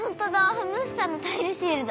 ハムスターのタイルシールだ。